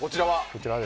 こちらは？